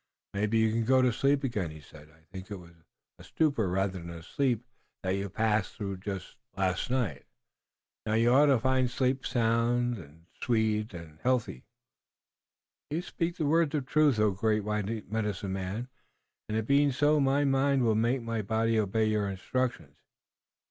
"Maybe you can go to sleep again," he said. "I think it was a stupor rather than sleep that you passed through last night, but now you ought to find sleep sweet, sound and healthy." "You speak words of truth, O great white medicine man, and it being so my mind will make my body obey your instructions."